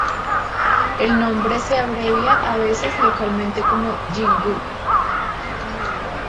El nombre se abrevia a veces localmente como "Jin-gu".